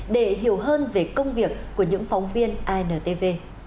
để hiểu hơn về công việc của những phóng viên intv